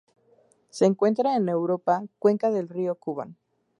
Se encuentra en Europa: cuenca del río Kuban.